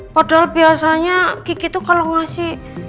padahal biasanya kiki tuh kalo ngasih